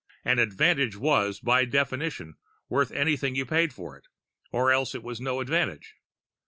An advantage was, by definition, worth anything you paid for it or else it was no advantage.